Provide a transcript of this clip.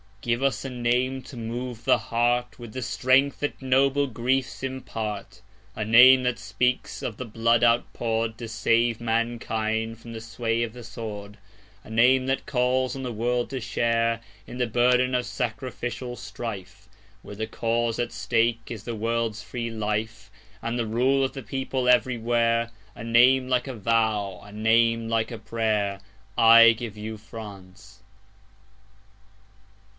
Give us a name to move the heartWith the strength that noble griefs impart,A name that speaks of the blood outpouredTo save mankind from the sway of the sword,—A name that calls on the world to shareIn the burden of sacrificial strifeWhere the cause at stake is the world's free lifeAnd the rule of the people everywhere,—A name like a vow, a name like a prayer.I give you France!